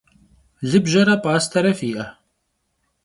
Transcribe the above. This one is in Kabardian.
Lıbjere p'astere fi'e?